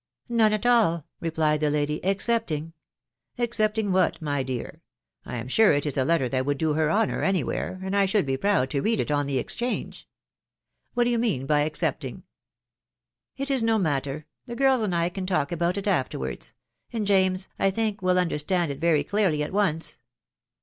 " None at all," replied the lady ...." excepting ...."" Excepting what, my dear ?.... I am sure it is a letter that would do her honour any where, and I should be proud to read it on the exchange What do you mean by ex cepting?" " It is no matter The girls and I can talk about it afterwards, .... and James, I think, will understand it very clearly at once."